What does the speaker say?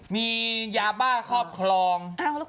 มียาบ้าครอบครอง